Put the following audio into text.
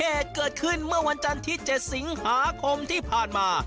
เหตุเกิดขึ้นเมื่อวันจันทร์ที่๗สิงหาคมที่ผ่านมา